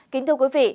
kính thưa quý vị